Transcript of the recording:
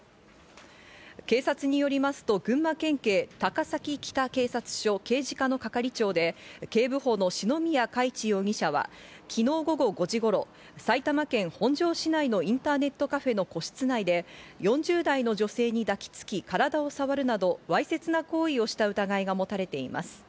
警察によりますと群馬県警高崎北警察署の刑事課の係長で警部補の篠宮嘉一容疑者は昨日午後５時頃、埼玉県本庄市内のインターネットカフェの個室内で４０代の女性に抱きつき体をさわるなどわいせつな行為をした疑いが持たれています。